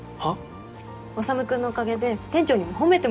修君のおかげで店長にも褒めてもらえたから。